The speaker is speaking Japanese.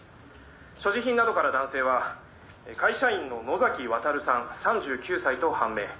所持品などから男性は会社員の能崎亘さん３９歳と判明。